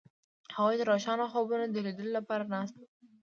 هغوی د روښانه خوبونو د لیدلو لپاره ناست هم وو.